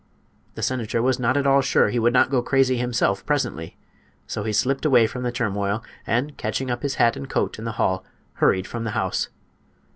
The senator was not at all sure he would not go crazy himself, presently; so he slipped away from the turmoil, and, catching up his had and coat in the hall, hurried from the house.